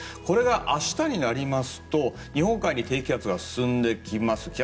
これが明日になりますと日本海に低気圧が進んできます。